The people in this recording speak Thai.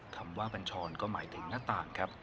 คำว่าบัญชรก็หมายถึงหน้าต่างครับ